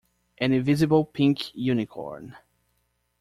An invisible pink unicorn.